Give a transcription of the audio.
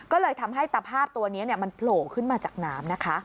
ก็เลยทำให้ตะภาพตัวนี้มันโผล่ขึ้นมาจากน้ำนะคะ